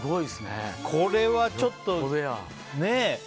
これは、ちょっとねえ。